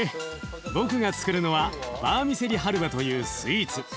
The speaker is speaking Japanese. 僕がつくるのはバーミセリ・ハルヴァというスイーツ。